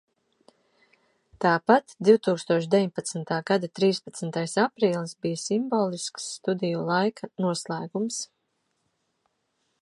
Tāpat divtūkstoš deviņpadsmitā gada trīspadsmitais aprīlis bija simbolisks studiju laika noslēgums.